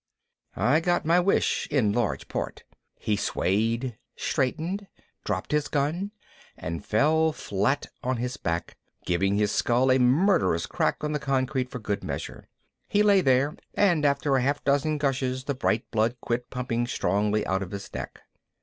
I got my wish, in large part. He swayed, straightened, dropped his gun, and fell flat on his back, giving his skull a murderous crack on the concrete for good measure. He lay there and after a half dozen gushes the bright blood quit pumping strongly out of his neck.